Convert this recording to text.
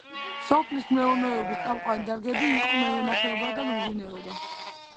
სოფლის მეურნეობის წამყვანი დარგები იყო მევენახეობა-მეღვინეობა.